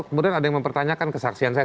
kemudian ada yang mempertanyakan kesaksian saya